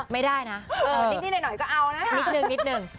ไม่ได้นะนิดนิดหน่อยก็เอานะค่ะนิดนึง